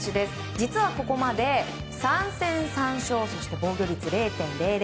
実はここまで３戦３勝そして防御率０．００。